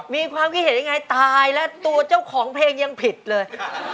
มีความคิดเห็นยังไงตายแล้วตัวเจ้าของเพลงยังผิดเลย